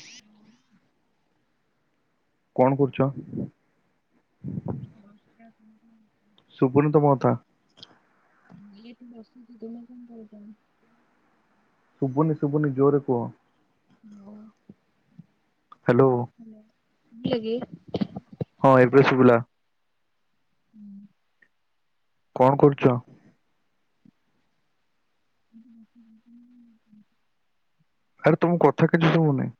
ହୁଁ ହୁଁ [unintelligible] କଣ କରୁଛ। [inaudible] ଶୁଭୁନି ତମ କଥା। ମୁଁ କଇଲି ଏଠି ବସିଛି ତୁମେ କଣ କରୁଛ। ଶୁବୁନି ଶୁବୁନି ଜୋରେ କୁହ। ହାଲୋ। ହାଲୋ। ହାଲୋ ଶୁଭିଲା କି। ହଁ ଏବେ ଶୁଭିଲା। ଉଁ। କଣ କରୁଚ। [inaudible] ଆରେ ତମ କଥା କିଛି ଶୁଭୁନି?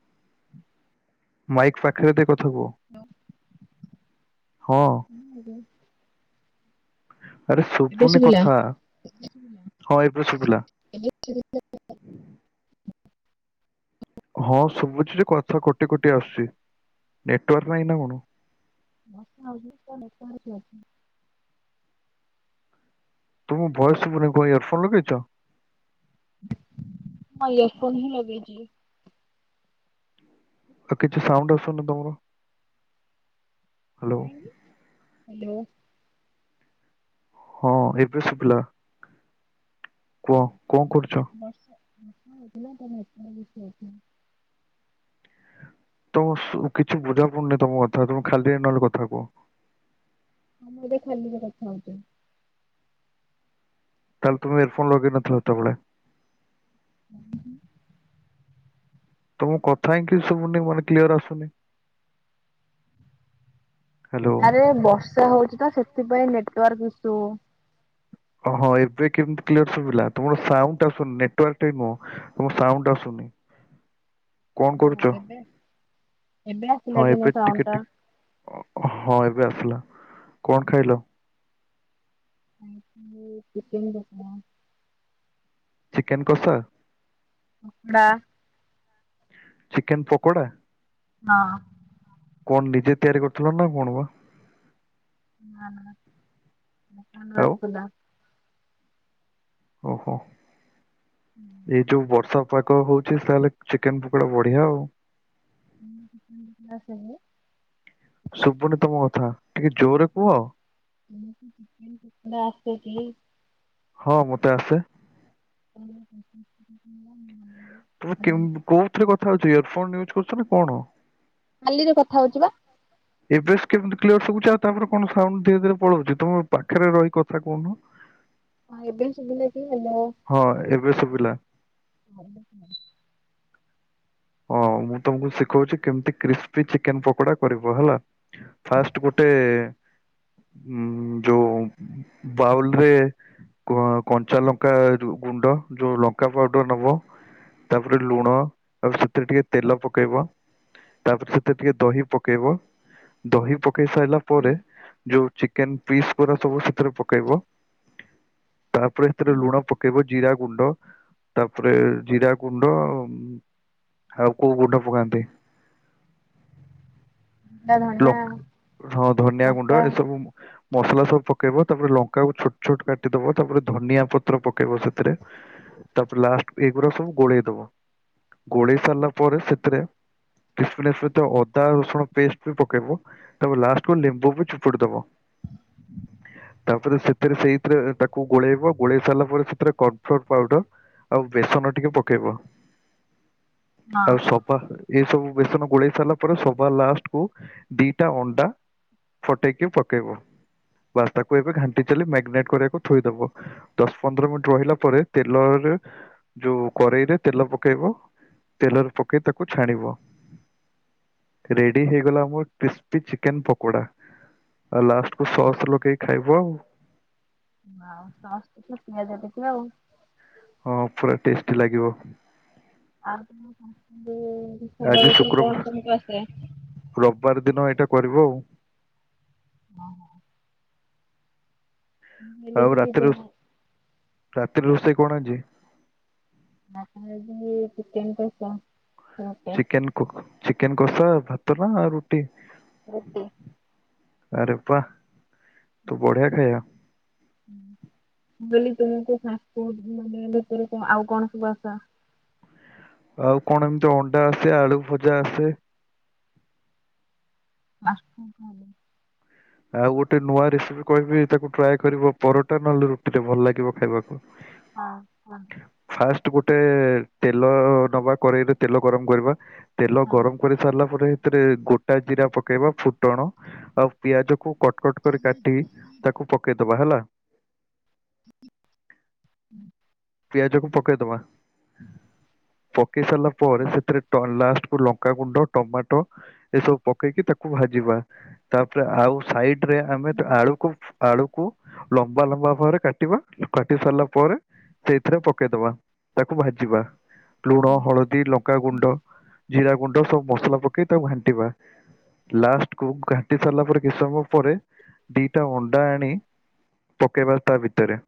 [inaudible] ମାଇକ୍ ପାଖରେ ଦେଇ କଥା କୁହ? ହଁ [unintelligible] ଆରେ ଏବେ ଶୁଭୁନି ଶୁଭିଲା? କଥା ହଁ ଏବେ ଶୁଭିଲା। ସେ [unintelligible] ହଁ ଶୁଭୁଛି ଯେ କଥା କଟି କଟି ଆସୁଛି ନେଟୱାର୍କ ନାହିଁ ନା କଣ? ବର୍ଷା ହଉଚି ତ ନେଟୱାର୍କ ଆସୁନି। ତୁମ ଭୟସ ଶୁଭୁନି କଣ ଇୟର ଫୋନ୍ ଲଗେଇଛ? ହଁ ଇୟରଫୋନ ହିଁ ଲଗେଇଚି। ଆଉ କିଛି ସାଉଣ୍ଡ ଅସୁନି ତମର। ହ୍ୟାଲୋ କାହିଁକି ହ୍ୟାଲୋ। ହଁ ଏବେ ଶୁଭିଲା। କୁହ କଣ କରୁଛ? ବର୍ଷା। [unintelligible] ତମ ଶୁ କିଛି ବୁଝା ପଡୁନି ତମ କଥା ତମେ ଖାଲିରେ ନହେଲେ କଥା କୁହ? ମୁଁଏବେ ଖାଲିରେ କଥା ହଉଛି। ତାହେଲେ ତମେ ଇଅର ଫୋନ୍ ଲଗେଇନଥିଲ ସେତେବେଳେ। ହୁଁ। ତମ କଥା ହିଁ କିଛି ଶୁଭୁନି ମୋ ମାନେ କ୍ଲିଅର ଆସୁନି। ହ୍ୟାଲୋ ଆରେ ବର୍ଷା ହଉଚି ତ ସେଥିପାଇଁ ନେଟୱାର୍କ ଇସୁ। ହଁ ଏବେ କିନ୍ତୁ କ୍ଲିୟର ଶୁଭିଲା ତୁମର ସାଉଣ୍ଡ ଆସୁନି ନେଟୱାର୍କ ଠେଇଁ କଣ? ତମ ସାଉଣ୍ଡ୍ ଆସୁନି? କଣ ଓହୋ କରୁଛ ଏବେ ଏବେ ଆସିଲା ହଁ କି ମୋ ଏବେ ସାଉଣ୍ଡ ଟିକେ ଟା? ହଁ ଏବେ ଆସିଲା, କଣ ଖାଇଲ? ମୁଁ ଚିକେନ୍ କଷା। ଚିକେନ୍ କସା? କଙ୍କଡ଼ା। ଚିକେନ ପକୋଡ଼ା? ହଁ। କଣ ନିଜେ ତିଆରି କରିଥିଲ ନା କଣ ବା? ନା ନା ଦୋକାନରୁ ଆଉ ଆସିଥିଲା। ଓହୋ ଏଇ ଯୋଉ ବର୍ଷା ପାଗ ହଉଛି ତାହେଲେ ଚିକେନ ପକୋଡା ବଢିଆ ଆଉ। [inaudible] ଶୁଭୁନି ତମ କଥା ଟିକେ ଜୋରରେ କୁହ? ତମକୁ ଚିକେନ୍ ପକଡା ଆସେକି? ହଁ ମତେ ଆସେ। [inaudible] ତମେ କୋଉଥିରେ କଥା ହଉଛି ଇୟର ଫୋନ ୟୁଜ୍ କରୁଛ ନା କଣ? ଖାଲିରେ କଥା ହଉଛି ବା। ଏବେ କେମିତି କ୍ଲିଅର ଶୁଭୁଚି, ଆଉ ତାପରେ କଣ ସାଉଣ୍ଡ ଧୀରେ ଧୀରେ ପଳଉଛି। ତମ ପାଖରେ ରହି କଥା କହୁନ? ହଁ ହଁ ଏବେ ଶୁଭିଲା କି ମୋ ହଁ ଏବେ ଶୁବିଲା। ହ [inaudible] ହଁ ମୁଁ ତମକୁ ଶିଖଉଛି କେମିତି କ୍ରିସ୍ପି ଚିକେନ ପକୋଡା କରିବ ହେଲା? ଫାଷ୍ଟ ଗୋଟେ ଉଁ ଯୋଉ ବାଉଲରେ କ କଞ୍ଚା ଲଙ୍କା ଗୁଣ୍ଡ ଯୋଉ ଲଙ୍କା ପାଉଡର ନବ ତାପରେ ଲୁଣ ଆଉ ସେଥିରେ ଟିକେ ତେଲ ପକେଇବ। ତାପରେ ସେଥିରେ ଟିକେ ଦହି ପକେଇବ। ଦହି ପକେଇ ସାରିଲା ପରେ ଯୋଉ ଚିକେନ ପିସ୍ ଗୁରା ସବୁ ସେଥରେ ପକେଇବ। ତାପରେ ସେଥିରେ ଲୁଣ ଜିରା ପକେଇବ ଜିରା ଗୁଣ୍ଡ ତାପରେ ଜିରା ଗୁଣ୍ଡ ଅମ୍ ଆଉ କୋଉ ଗୁଣ୍ଡ ପକାନ୍ତି? ଧଣିଆ ଲଙ୍କ ହଁ ଧନିଆ ଗୁଣ୍ଡ ଲଙ୍କା ଏସବୁ ମସଲା ସବୁକେଇବ ତାପରେ ଲଙ୍କାକୁ ଛୋଟ ଛୋଟ କାଟିଦବା ତାପରେ ଧନିଆ ପ ପ୍ର ପକେଇବ ସେଥିରେ ତାପରେ ଲାଷ୍ଟ ଏଗୁଡା ସବୁ ଗୋଳେଇ ଦବ। ଗୋଳେଇ ସାରିଲା ପରେ ସେଥିରେ [unintelligible] ଅଦା ରସୁଣ ପେଷ୍ଟ ପକେଇବ ତାପ ଲାଷ୍ଟକୁ ଲେମ୍ବୁ ବି ଚିପୁଡି ଦବ। ତାପରେ ସେଥିରେ ସେଇଥିରେ ତାକୁ ଗୋଳେଇବ ଗୋଳେଇ ସାରିଲା ପରେ ସେଥିରେ କୋରନଫ୍ଲୋର ପାଉଡର ଆଉ ବେସନ ଟିକେ ପକେଇବ ଆଉ ସବା ଏଇ ସବୁ ବେସନ ଗୋଳେଇ ସାରିଲା ପରେ ସବା ଲାଷ୍ଟ କୁ ଦିଟା ଅଣ୍ଡା ଫଟେଇକି ପକେଇବ। ବାସ୍ ତାକୁ ଏବେ ଘାଣ୍ଟି ଚାଲି ମ୍ୟାଗିନେଟ୍ କରିବାକୁ ଥୋଇଦବ। ଦଶ ପନ୍ଦର ମିନିଟ ରହିଲା ପରେ ତେଲ ହେଲେ ଯୋଉ କରେ ଇରେ ତେଲ ପକେଇବ। ତେଲରେ ପକେଇ ତାକୁ ଛାଣିବ ରେଡି ହେଇଗଲା ଆ ବହୁତ ଟେଷ୍ଟେ ଚିକେନ ପକୋଡା ଆଉ ଲାଷ୍ଟକୁ ସସ୍ ଲଗେଇକି ଖାଇବ ଆଉ। ଆ ସମସ୍ତେ ତ ପିଆଜ ଦେଥିବ ଆଉ। ହଁ ପୁରା ଟେଷ୍ଟି ଲାଗିବ। ଆଉ [unintelligible] ଭିତରୁ ଆଜି କଣ ଶୁକ୍ରବାର [unintelligible] ଆସେ? ରବିବାର ଦିନ ଏଇଟା କରିବ ଆଉ। ହଁ। ଆଉ ରାତିରେ ରୋ ରାତିରେ ରୋଷେଇ କଣ ଆଜି? ରାତି ରେ ଆଜି ଚିକେନ କଷା। ଚିକେନ କକ ଚିକେନ କଷା, ଭାତ ନା ରୁଟି? ରୁଟି। ଆରେ ବାଃ ତ ବଢଆ ଖଇଆ। ହୁଁ ମୁଁ କହିଲି [unintelligible] ଆଉ କଣ ସବୁ ଆସେ? ଆଉ କଣ ଏମିତି ଅଣ୍ଡା ଆସେ ଆଳୁ ଭଜା ଆସେ। [unintelligible] ଆଉ ଗୋଟେ ନୂଆ ରେସିପି କହିବି ତାକୁ ଟ୍ରାଏ କରିବ ପରଟା ନହେଲେ ରୁଟିରେ ଭଲ ଲାଗିବ ଖାଇବାକୁ। ହ ହଁ କୁହନ୍ତୁ। ଫାଷ୍ଟ ଗୋଟେ ତେଲ ନବା କରେେଇରେ ତେଲ ଗରମ କରିବା। ତେଲ ହଁ ଗରମ କରି ସାରିଲା ପରେ ସେଥିରେ ଗୋଟା ଜିରା ପକେଇବା ଫୁଟଣ ଆଉ ପିଆଜ କୁ କ କଟ କରି କାଟି ତାକୁ ପକେଇଦବା ହେଲା। ହୁଁ। ପିଆଜ କ ପକେଇଦବା। ହୁଁ। ପକେଇ ସାରିଲା ପରେ ସେଥିରେ ଲାଷ୍ଟକୁୁ ଲଙ୍କାଗୁଣ୍ଡ ଟମାଟୋ ଏସବୁ ପକେଇକି ତାକୁ ଭାଜିବା। ତାପରେ ଆଉ ସାଇଡ୍ ରେ ଆମେ ହୁଁ ଆଳୁକୁ ଆଳୁକୁ ଲମ୍ବା ଲମ୍ବା ଭାବରେ କାଟିବା କାଟି ସାରିଲା ପରେ ସେଇଥିରେ ପକେଇଦବା ତାକୁ ଭାଜିବା। ଲୁଣ ହୁଁ ହଳ ଦି ଲଙ୍କାଗୁଣ୍ଡ ଜିରା ଗୁଣ୍ଡ ସବୁ ମସଲା ପକେଇ ତାକୁ ଘାଣ୍ଟିବା। ଲାଷ୍ଟକୁୁ ଘାଣ୍ଟି ସାରିଲା ପରେ କିଛି ସମ ପରେ ଦିଟା ଅଣ୍ଡା ଆଣି ପକେଇବା ତା ଭିତରେ।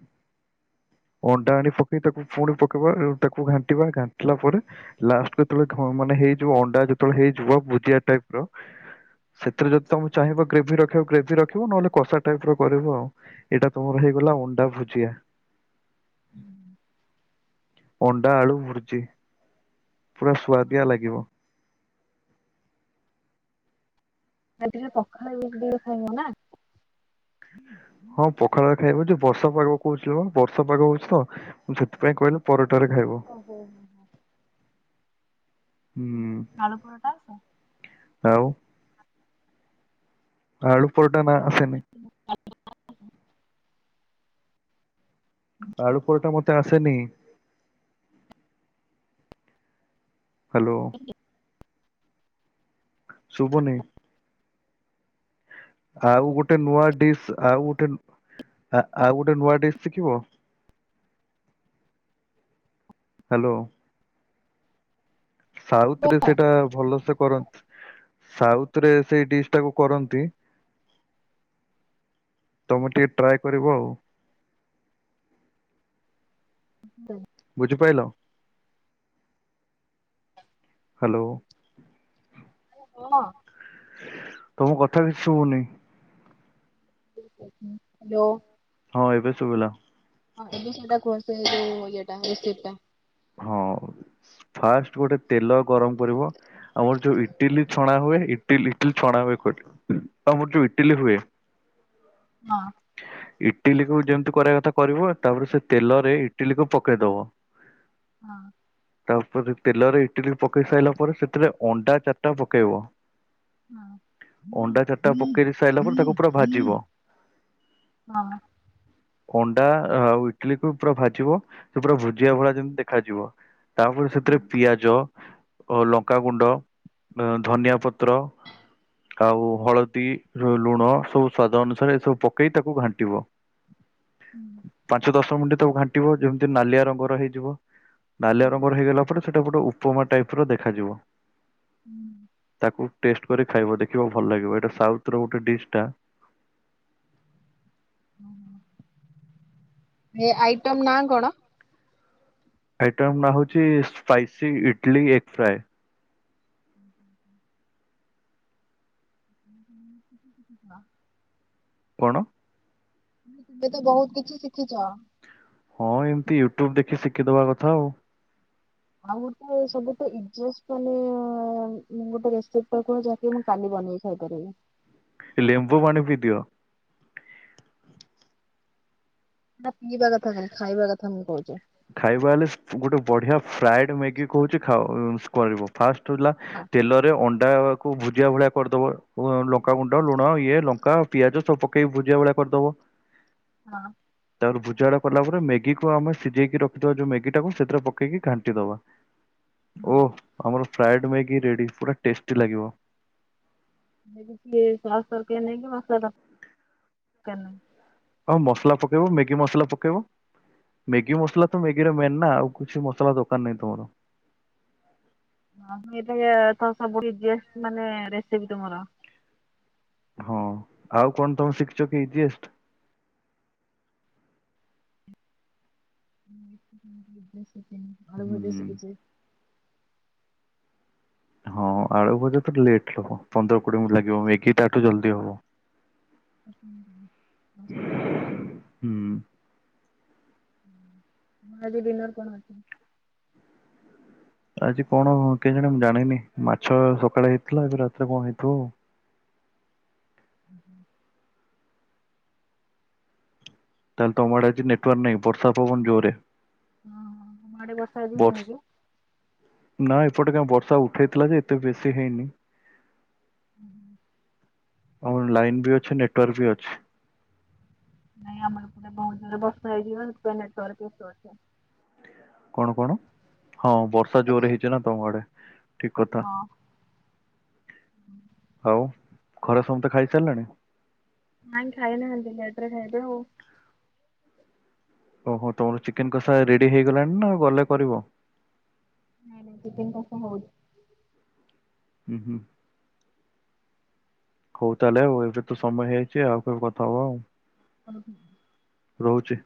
ଡାହାଣି ପକେଇ ତାକୁ ପୁଣି ପକେଇବା ତାକୁ ଘାଣ୍ଟିବା ଘାଣ୍ଟିଲା ପରେ ଲାଷ୍ଟ ଯେତେବେଳେ ମାନେ ହେଇଯିବ ଅଣ୍ଡା ଯେତେବେଳେ ହେଇଯିବ ଭୁଜିଆ ଟାଇପର ସେଥିରେ ଯଦି ତମେ ଚାହିଁବ ଗ୍ରେଭି ରଖିବା ଗ୍ରେଭି ରଖିବ ନହେଲେ କଷା ଟାଇପ ର କରିବ ଆଉ। ଏଇଟା ତମର ହେଇଗଲା ଅଣ୍ଡା ଭୁଜିଆ। ହୁଁଁ। ଅଣ୍ଡା ଆଳୁ ଭୁର୍ଜି ପୁରା ସୁଆଦିଆ ହଁ। ଲାଗିବ। ସେଇଥିରେ ପଖାଳ ବି ଖାଇବ ନା? ହଁ ପଖାଳ ଖାଇବ ଯୋଉ ବର୍ଷା ପାଗ କହୁଛି ବର୍ଷ ପାଗ ହୋଉଛି ତ ମୁଁ ସେଥିପାଇଁ କହିଲି ପରଟାରେ ଖାଇବ। ଓହୋ ହୋ ହୋ। ହୁଁ ଆଳୁ ପରଠା ଆସ ଆଉ? ଆ ଉପରଟା ନା ଆସେନି। ଆଳୁ ପରଟା ମୋତେ ଆସେନି। ହ୍ୟାଲୋ। ଶୁବୁନି। ଆଉ ଗୋଟେ ନୂଆ ଡିସ୍ ଆଉ ଗୋଟେ ଆଉ ଗୋଟେ ଆ ନୂଆ ଡିସ୍ ଶିଖିବ? ହ୍ୟାଲୋ। ହଁ। ସାଉଥରେ ସେଇଟା ଭଲ ସେ କର ସାଉଥ ରେ ସେଇ ଡିସ୍ ଟାକୁ କରନ୍ତି ତମେ ଟିକେ ଟ୍ରାଏ କରିବ ଆଉ। [unintelligible] ବୁଝିପାଇଲ? ହ୍ୟାଲୋ। କଣ? ତମ କଥା କିଛି ଶୁଭୁନି। ହ୍ୟାଲୋ। ହଁ ଏବେ ଶୁଭିଲା। ହଁ ଏବେ ସେଇଟା କୁହ ସେଇ ଯୋଉ ଇଏଟା ରେସିପି ଟା। ହଁ ଫାଷ୍ଟ ଗୋଟେ ତେଲ ଗରମ କରିବ। ଆମର ଯୋଉ ଇଟିଲି ଛଣା ହୁଏ। ଇଟଲି ଇଟିଲି ଛଣା ହୁଏ କହୁଚି ଆମର ଯୋଉ ଇଟିଲି ହୁଏ ହଁ। ଇଟିଲିକୁ ଯେମତି କରିବା କଥା କରିବ ତାପରେ ସେ ତେଲ ରେ ଇଟିଲିକୁ ପକେଇଦବ। ହଁ। ତାପରେ ତେଲରେ ଇଟିଲି ପକେଇ ସାରିଲା ପରେ ସେଥିରେ ଅଣ୍ଡା ଚାରିଟା ପକେଇବ। ଅଣ୍ଡା ଚାରିଟା ପକେଇ ସାରିଲା ପରେ ତାକୁ ପୁରା ଭାଜିବ। ହଁ। ହଁ। ଅଣ୍ଡା ଆଉ ଇଟିଲିକୁ ପୁରା ଭାଜିବ ସେ ପୁରା ଭୁଜିିଆ ଭଳିଆ ଯେମିତି ଦେଖ ଯିବ ତାପରେ ହଁ ସେଥିରେ ପିଆଜ ଓ ଲଙ୍କାଗୁଣ୍ଡ, ଧନିଆ ପତ୍ର ଆଉ ହଳଦୀ, ଲୁଣ ସବୁ ସ୍ଵାଦ ଅନୁସାରେ ଏସବୁ ପକେଇ ତାକୁ ଘାଣ୍ଟିବ। ହୁଁ ପାଞ୍ଚ ଦଶ ମିନିଟ୍ ତାକୁ ଘାଣ୍ଟିବ ଯେମିତି ନାଲିଆ ରଙ୍ଗର ହେଇଯିବ। ନାଲିଆ ହୁଁ ରଙ୍ଗର ହେଇଗଲା ପରେ ସେଟା ଗୋଟେ ଉପମା ଟାଇପ ର ଦେଖାଯିବ। ହୁଁ। ତାକୁ ଟେଷ୍ଟ କରି ଖାଇବ ଦେଖିବ ଭଲ ଲାଗିବ ଏଇଟା ସାଉଥ ର ଗୋଟେ ଡିସ୍ ଟା। ହୁଁ। ଏ ଆଇଟମ୍ ନାଁ କଣ? ଆଇଟମ୍ ନା ହୋଉଛି ସ୍ପାଇସି ଇଟଲି ଏଗ ଫ୍ରାଏ। ହୁଁ ବା। କଣ? ମୁ କହିଲି ତୁମେ ତ ବହୁତ କିଛି ଶିଖିଛ। ହଁ ଏମତି ୟୁଟ୍ୟୁବ ଦେଖି ଶିଖିଦବା କଥା ଆଉ। ଆଉ ଗୋଟେ ସବୁଠୁ ଇଜିଏଷ୍ଟ ମାନେ ଉଁମ୍ ଗୋଟେ ରେସିପିଟା କୁହାଯାଏ। କି ମୁଁ କାଲି ବନେଇ ଖାଇପାରିବି। ଲେମ୍ବୁ ପାଣି ପିଇଦିଅ। ଏଟା ପିଇବା କଥା କହିଲେ ଖାଇବା କଥା ମୁଁ କୋହୁଚି। ଖାଇବା ହେଲେ ସ୍ପୁ ଗୋଟେ ବଢିଆ ଫ୍ରାଏଡ ମ୍ୟାଗି କୋହୁଚି ଖାଅ ଉଁ କରିବ ଫାଷ୍ଟ ରୁ ହେଲା ହଁ ତେଲରେ ଅଣ୍ଡା ତାକୁ ଭୁଜିଆ ଭଳିଆ କରିଦବ ଉ ଲଙ୍କାଗୁଣ୍ଡ, ଲୁଣ, ଇଏ ଲଙ୍କା, ପିଆଜ, ସବୁ ପକେଇକ ଭୁଜିଆ ଭଳିଆ କରିଦବ। ଅଁ। ତାପରେ ଭୋଜିଆଗୁଡାକୁ କରଲା ପରେ ମ୍ୟାଗିକୁୁ ଆମେ ସିଜେଇକି ରଖିଥିବା ଯୋଉ ମେଗି ଟାକୁ ସେଥିରେ ପକେଇକି ଘାଣ୍ଟି ଦବା ହଁ। ଓ ଆମର ଫ୍ରାଏଡ୍ ମ୍ୟାଗି ରେଡି ପୁରା ଟେଷ୍ଟି ଲାଗିବ। ମୁଁ [unintelligible] ସସ୍ ଦରକାର ନାହିଁ କି ମସଲା ଦର-କାର ନାହିଁ? ହଁ ମସଲା ପକେଇବ ମ୍ୟାଗି ମସଲା ପକେଇବ ମ୍ୟାଗି ମସଲା ତ ମ୍ୟାଗିରେ ମେନ୍ ନା ଆଉ କିଛି ମସଲା ଦରକାର ନାହିଁ ତମର। ଅହଁ ମୁଁ ଏଟା ବି ତ ସବୁଠୁ ଇଜିଏଷ୍ଟ ମାନେ ରେସିପି ତମର। ହଁ ଆଉ କଣ ତମେ ଶିଖିଚ କି ଇଜିଏଷ୍ଟ? [unintelligible] ସିକିନି ଆଳୁ ଭଜା ହୁଁ ଶିଖିଚି। ହଁ ଆଳୁ ଭଜା ତ ଲେଟରେ ହବ ପନ୍ଦର କୋଡିଏ ମିନିଟ୍ ଲାଗିବ ମେଗି ତାଠୁ ଜଲଦି ହବ। [inaudible] ଦଶ ମିନିଟ ଲାଗେ। ହୁଁ ତମର ଆଜି ଡିନର କଣ ଅଛି? ଆଜି କଣ କେଜାଣି ମୁଁ ଜାଣିନି ମାଛ ସକାଳେ ହେଇଥିଲା ଆଜି ରାତିରେ କଣ ହେଇଥିବ ଆଉ। ଉଁହୁଁ। ତାହେଲେ ତମଆଡେ ଆଜି ନେଟୱାର୍କ ନାହିଁ ବର୍ଷା ପବନ ଜୋରେ। ହଁ ତମ ଆଡେ ବର୍ଷା ଆଜି ବର୍ଷ ହେଇନି କି? ନା ଏପଟେ କାଇଁ ବର୍ଷା ଉଠେଇଥିଲା ଯେ ଏତେ ବେଶୀ ହେଇନି। ଉହୁଁ। ଆଉ ଲାଇନ୍ ବି ଅଛି ନେଟୱାର୍କ ବି ଅଛି। ନାଇଁ ଆମର ଏପଟେ ବୋହୁତ ଜୋରେ ବର୍ଷା ହେଇଚି ପା ସେଥିପାଇଁ ନେଟୱାର୍କ ଇସୁ ଅଛି। କଣ କଣ ହଁ ବର୍ଷା ଜୋରେ ଆଜି ହେଇଚି ନା ତମ ଆଡେ ଠିକ କଥା। ହଁ। ଆଉ ଘରେ ସମତେ ଖାଇସାରିଲାଣି? ହାଇଁ ଖାଇନାହାନ୍ତି ଲେଟରେ ଖାଇବେ ଆଉ। ଓହୋ ତମର ଚିକେନ କଷା ରେଡି ହେଇଗଲାଣି ନା ଆଉ ଗଲେ କରିବ? ନାଇଁ ନାଇଁ ଚିକେନ କଷା ହୋଉଚି। ଉଁ ହୁଁ। ହୋଉ ତାହେଲେ ଆଉ ଏବେ ତ ସମୟ ହୋଇଯାଇଚି ଆଉ କଥାହବା। ହୋଉ ଠିକଅଛି। ରହୁଚି।